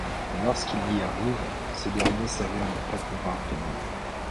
Mais lorsqu'il y arrive, ce dernier s'avère ne pas pouvoir payer.